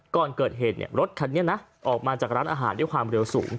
ก่อนเกิดเหตุรถคันนี้นะออกมาจากร้านอาหารด้วยความเร็วสูง